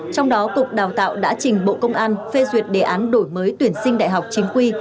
trong đó cục đào tạo đã trình bộ công an phê duyệt đề án đổi mới tuyển sinh đại học chính quy